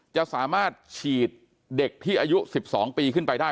จะสามารถฉีดเด็กที่อายุ๑๒ปีขึ้นไปได้